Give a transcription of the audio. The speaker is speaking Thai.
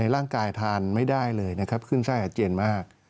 ร่างกายทานไม่ได้เลยขึ้นไซด์อาเจนมาก